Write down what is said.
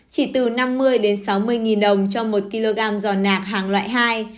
chỉ từ năm mươi sáu mươi nghìn đồng cho một kg giò nạc hàng loại hai